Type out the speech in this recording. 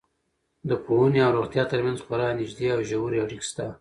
د پوهنې او روغتیا تر منځ خورا نږدې او ژورې اړیکې شته.